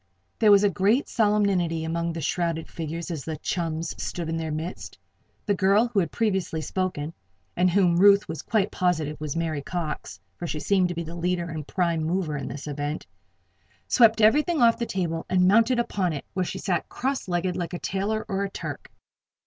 There was great solemnity among the shrouded figures as the chums stood in their midst. The girl who had previously spoken (and whom Ruth was quite positive was Mary Cox for she seemed to be the leader and prime mover in this event) swept everything off the table and mounted upon it, where she sat cross legged like a tailor, or a Turk.